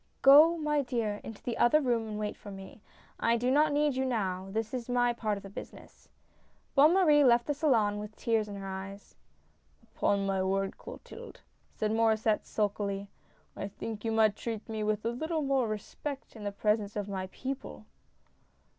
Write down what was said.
" Go, my dear, into the other room and wait for me. I do not need you now, this is my part of the business." Bonne Marie left the salon with tears in her eyes. " Upon my word, Clotilde," said Maur^sset, sulkily, " I think you might treat me with a little more respect in the presence of my people